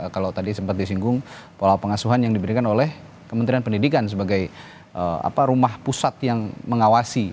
kalau tadi sempat disinggung pola pengasuhan yang diberikan oleh kementerian pendidikan sebagai rumah pusat yang mengawasi